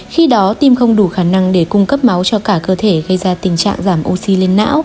khi đó tim không đủ khả năng để cung cấp máu cho cả cơ thể gây ra tình trạng giảm oxy lên não